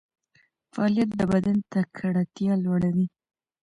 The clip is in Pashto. فعالیت د بدن تکړتیا لوړوي.